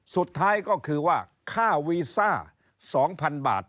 สุดท้ายก็คือว่าค่าวีซ่า๒๐๐๐บาท